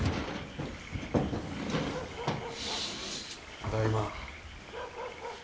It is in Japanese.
ただいま。